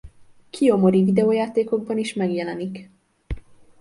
Kijomori videójátékokban is megjelenik.